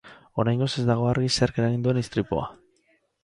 Oraingoz ez dago argi zerk eragin duen istripua.